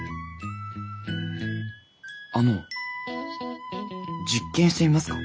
あの実験してみますか？